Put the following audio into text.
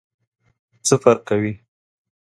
څه فرق کوي ؟